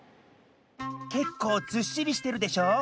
けっこうずっしりしてるでしょ？